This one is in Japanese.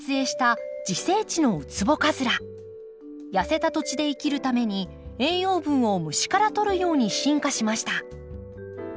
痩せた土地で生きるために栄養分を虫からとるように進化しました。